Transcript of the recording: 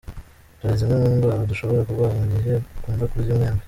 Dore zimwe mu ndwara udashobora kurwara mu gihe ukunda kurya umwembe.